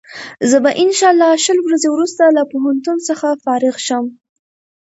زه به انشا الله شل ورځې وروسته له پوهنتون څخه فارغ شم.